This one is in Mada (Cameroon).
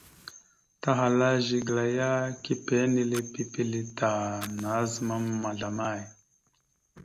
Tahala Zigəla ya, kepé enile pipile ta, nazəmam ma zlamay?